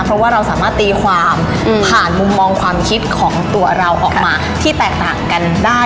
เพราะว่าเราสามารถตีความผ่านมุมมองความคิดของตัวเราออกมาที่แตกต่างกันได้